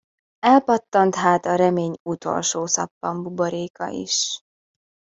Elpattant hát a remény utolsó szappanbuboréka is!